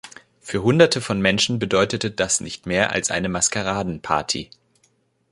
Für Hunderte von Menschen bedeutete das nicht mehr als eine Maskeradenparty.